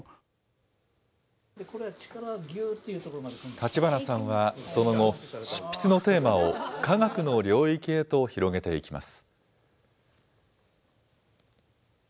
立花さんはその後、執筆のテーマを科学の領域へと広げていきます。